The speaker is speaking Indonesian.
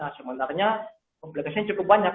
nah sementara komplikasinya cukup banyak